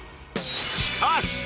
しかし！